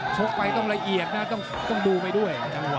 ชกไปต้องละเอียดนะต้องดูไปด้วย